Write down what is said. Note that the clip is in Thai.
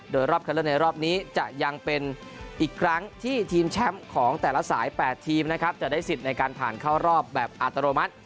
โดยรอบคันเลือกในรอบนี้จะยังเป็นอีกครั้งที่ทีมแชมป์ของแต่ละสาย๘ทีมนะครับจะได้สิทธิ์ในการผ่านเข้ารอบแบบอัตโนมัติ